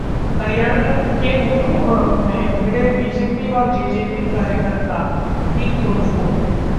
हरियाणा के नूंह में भिड़े बीजेपी और जेजेपी कार्यकर्ता, की तोड़फोड़